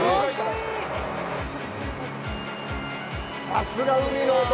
さすが海の男！